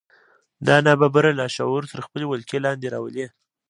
دا ناببره لاشعور تر خپلې ولکې لاندې راولي